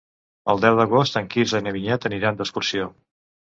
El deu d'agost en Quirze i na Vinyet aniran d'excursió.